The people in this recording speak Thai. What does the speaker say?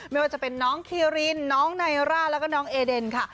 ไม่ว่าจะเป็นน้องคีรินน้องไนร่าแล้วก็น้องเอเดนค่ะ